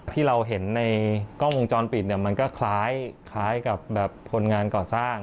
ที่เราเห็นในกล้องวงจรปิดเนี่ยมันก็คล้ายกับแบบคนงานก่อสร้าง